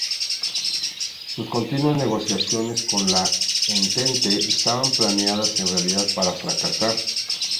Sus continuas negociaciones con la Entente estaban planeadas en realidad para fracasar.